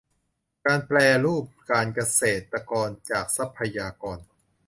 การแปรรูปการเกษตรจากทรัพยากร